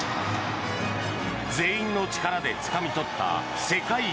全員の力でつかみ取った世界一。